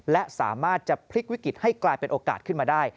และสามารถจะพลิกวิกฤตให้กลายเป็นโอกาสขึ้นมาได้